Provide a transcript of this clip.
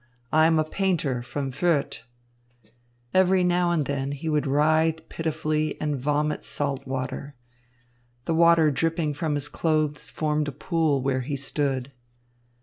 I am a painter, from Fürth." Every now and then he would writhe pitifully and vomit salt water. The water dripping from his clothes formed a pool where he stood.